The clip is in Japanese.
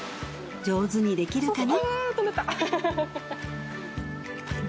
上手にできるかな？